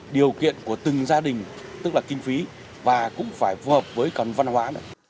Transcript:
điều kiện của từng gia đình tức là kinh phí và cũng phải phù hợp với con văn hóa